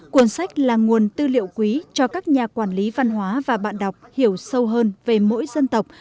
cuốn sách là nguồn tư liệu quý cho các nhà quản lý văn hóa và bạn đọc hiểu sâu hơn về mỗi dân tộc